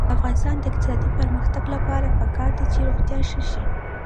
د افغانستان د اقتصادي پرمختګ لپاره پکار ده چې روغتیا ښه شي.